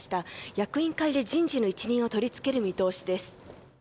役員会で人事の一任を取り付ける見通しです。